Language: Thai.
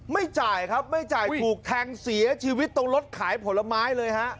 ไม่จ่ายครับไม่จ่ายถูกแทงเสียชีวิตตรงรถขายผลไม้เลยฮะ